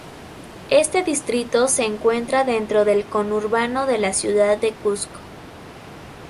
Este distrito se encuentra dentro del conurbano de la ciudad de Cuzco.